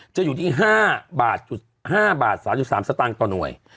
จะอยู่ที่๕๓๓สตางค์ต่อหน่วย